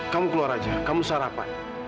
kamu keluar aja kamu sarapan